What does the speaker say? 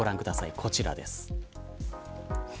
こちらです。